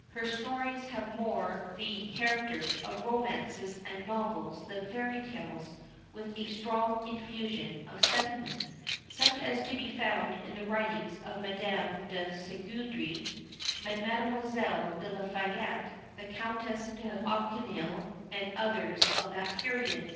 Her stories have more the character of romances and novels than fairy tales, with a strong infusion of sentiment, such as is to be found in the writings of Madame de Scuderi, Madlle. de La Fayette, the Countess d'Auneuil, and others of that period.